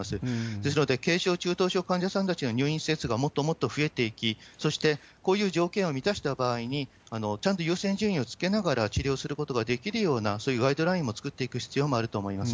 ですので、軽症、中等症患者さんたちの入院施設がもっともっと増えていき、そしてこういう条件を満たした場合に、ちゃんと優先順位をつけながら治療することができるような、そういうガイドラインを作っていく必要もあると思います。